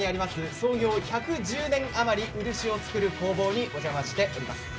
創業１１０年余り漆を作る工房にお邪魔しています。